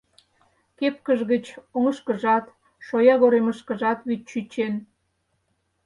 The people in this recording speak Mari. Кепкыж гыч оҥышкыжат, шоягоремышкыжат вӱд чӱчен.